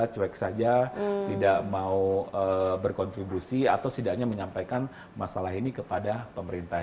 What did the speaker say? cuek saja tidak mau berkontribusi atau setidaknya menyampaikan masalah ini kepada pemerintah